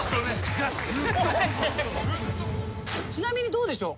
ちなみにどうでしょう？